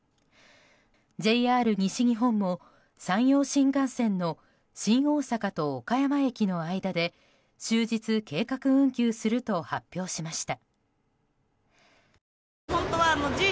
ＪＲ西日本も、山陽新幹線の新大阪駅と岡山駅の間で終日、計画運休すると発表しました。